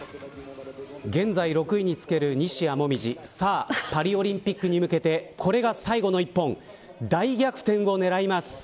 現在６位につける西矢椛さあ、パリオリンピックに向けてこれが最後の１本大逆転を狙います。